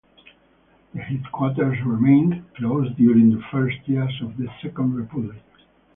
The headquarters remained closed during the first years of the Second Republic.